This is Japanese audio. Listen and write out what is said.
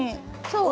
そう。